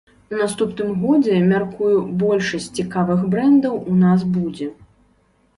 У наступным годзе, мяркую, большасць цікавых брэндаў у нас будзе.